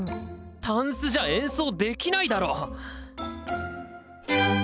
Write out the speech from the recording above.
タンスじゃ演奏できないだろ！